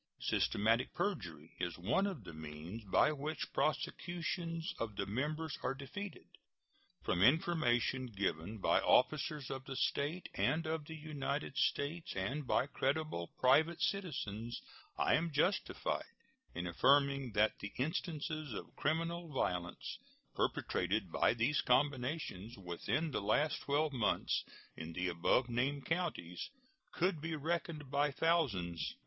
Systematic perjury is one of the means by which prosecutions of the members are defeated. From information given by officers of the State and of the United States and by credible private citizens I am justified in affirming that the instances of criminal violence perpetrated by these combinations within the last twelve months in the above named counties could be reckoned by thousands."